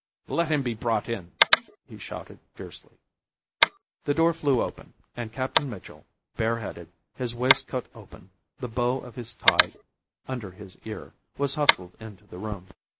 "Let him be brought in," he shouted, fiercely. The door flew open, and Captain Mitchell, bareheaded, his waistcoat open, the bow of his tie under his ear, was hustled into the room.